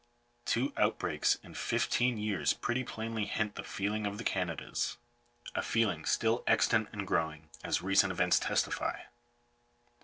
Two outbreaks in fifteen years pretty plainly hint the feeling of the Canadas — a feeling still extant and growing, as recent events testify.